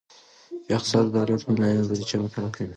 اقتصاد د دولت مالیې او بودیجه مطالعه کوي.